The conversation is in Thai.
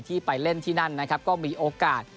ไปเล่นที่นั่นนะครับก็มีโอกาส